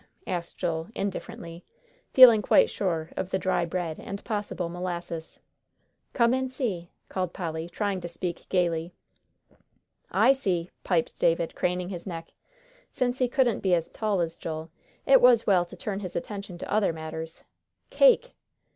asked Joel, indifferently, feeling quite sure of the dry bread and possible molasses. "Come and see," called Polly, trying to speak gayly. "I see," piped David, craning his neck. Since he couldn't be as tall as Joel, it was well to turn his attention to other matters. "_Cake!